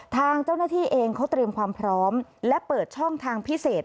ทางเจ้าหน้าที่เองเขาเตรียมความพร้อมและเปิดช่องทางพิเศษ